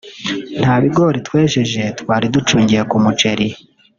nta bigori twejeje twari ducungiye ku muceri